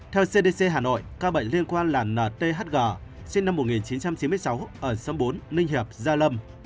theo cdc hà nội ca bệnh liên quan là nthg sinh năm một nghìn chín trăm chín mươi sáu ở sâm bốn ninh hiệp gia lâm